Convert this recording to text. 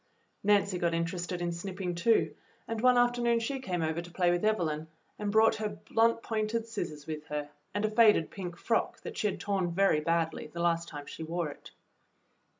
Nancy got interested in snipping too, and one afternoon she came over to play with Evelyn and brought her blunt pointed scissors with her, and a faded pink frock that she had torn very badly the last time she wore it.